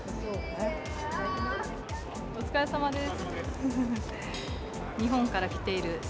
お疲れさまです。